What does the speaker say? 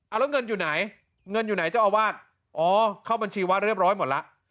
แล้วเงินอยู่ไหนเงินอยู่ไหนเจ้าอาวาสอ๋อเข้าบัญชีวัดเรียบร้อยหมดแล้ว